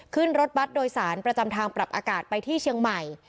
ขึ้นรถบัตรโดยสารประจำทางปรับอากาศไปที่เชียงใหม่